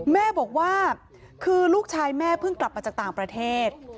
แม่บอกว่าคือลูกชายแม่เพิ่งกลับมาจากต่างประเทศ